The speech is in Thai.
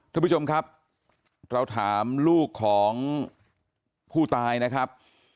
ทุกผู้ชมครับเราถามลูกของผู้ตายนะครับ